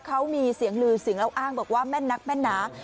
เขามีเสียงลือเสียงเล่าอ้างบอกว่าแม่นนักแม่นหนา